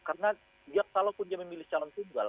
karena dia kalaupun dia memilih calon tunggal